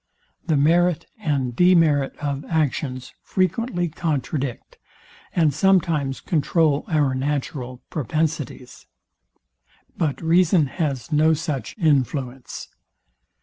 The merit and demerit of actions frequently contradict, and sometimes controul our natural propensities. But reason has no such influence.